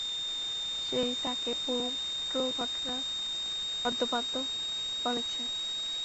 সেই তাকে পুরো ঘটনা আদ্যোপান্ত বলেছে।